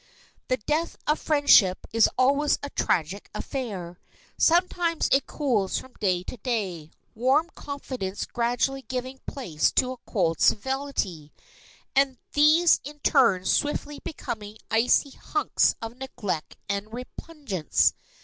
The death of a friendship is always a tragical affair. Sometimes it cools from day to day, warm confidence gradually giving place to cold civility, and these in turn swiftly becoming icy husks of neglect and repugnance.